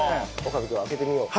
岡部君開けてみよう。